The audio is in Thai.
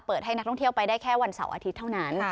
ให้นักท่องเที่ยวไปได้แค่วันเสาร์อาทิตย์เท่านั้น